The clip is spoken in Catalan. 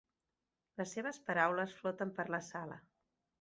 Les seves paraules floten per la sala.